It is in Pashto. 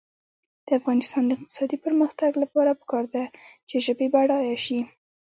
د افغانستان د اقتصادي پرمختګ لپاره پکار ده چې ژبې بډایه شي.